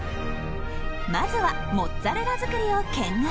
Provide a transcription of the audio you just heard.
まずはモッツァレラ作りを見学。